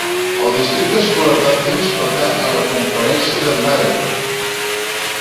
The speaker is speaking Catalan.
El districte escolar d'Athens pertany a la conferència de Marawood.